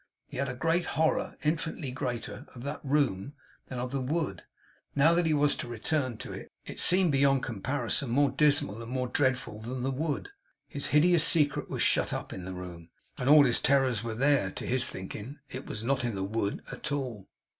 He had a greater horror, infinitely greater, of that room than of the wood. Now that he was on his return to it, it seemed beyond comparison more dismal and more dreadful than the wood. His hideous secret was shut up in the room, and all its terrors were there; to his thinking it was not in the wood at all.